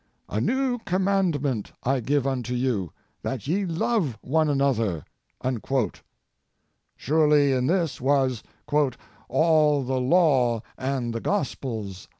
"A new command ment I give unto you ; that ye love one another." Surely in this was ''all the law and the gospels."